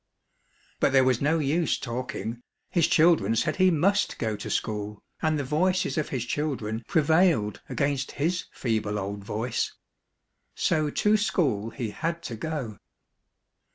" But there was no use talking, his children said he must go to school, and the voices of his children prevailed against his feeble old voice. So to school he had to go.